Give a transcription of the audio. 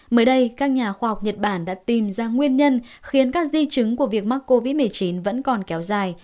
mới đây các nhà khoa học nhật bản đã tìm ra nguyên nhân khiến các di chứng của việc mắc covid một mươi chín vẫn còn kéo dài